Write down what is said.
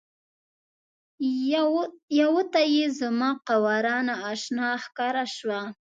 یوه ته یې زما قواره نا اشنا ښکاره شوه.